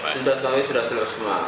sudah selesai semua